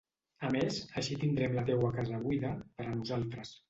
A més, així tindrem la teua casa buida, per a nosaltres.